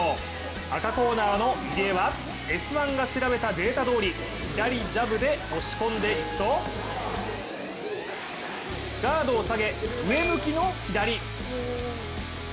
赤コーナーの入江は「Ｓ☆１」が調べたデータどおり左ジャブで押し込んでいくとガードを下げ、上向きの左。